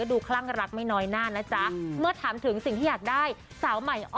ดีค่ะก็ไม่รู้ว่าจะอีกนานแค่ไหน